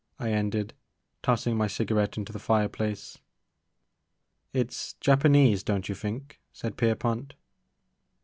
I ended, tossing my cigarette into the fireplace. It's Japanese, don't you think ?" said Pier pont.